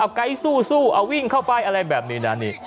ไกด์สู้เอาวิ่งเข้าไปอะไรแบบนี้นะนี่